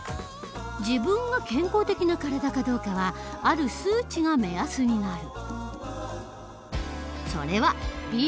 自分が健康的な体かどうかはある数値が目安になる。